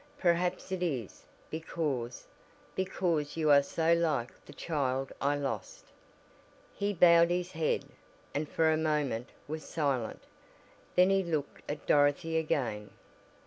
Perhaps it is because because you are so like the child I lost." He bowed his head, and for a moment, was silent, then he looked at Dorothy again.